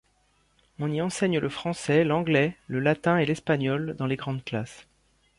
On y enseigne le français, l'anglais, le latin et l'espagnol dans les grandes classes.